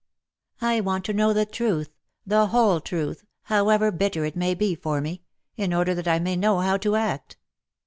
I want to know the truth — the whole truth — how ever bitter it may be for me — in order that I may know how to act."